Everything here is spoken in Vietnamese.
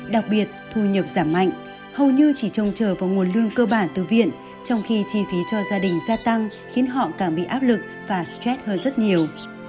đặc biệt thu nhập giảm mạnh hầu như chỉ trông chờ vào nguồn lương cơ bản từ viện trong khi chi phí cho gia đình gia tăng khiến họ càng bị áp lực và stress hơn rất nhiều